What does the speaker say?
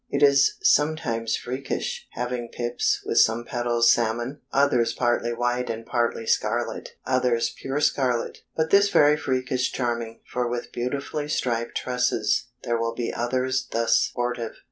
It is sometimes freakish, having pips with some petals salmon, others partly white and partly scarlet, others pure scarlet. But this very freak is charming, for with beautifully striped trusses there will be others thus sportive.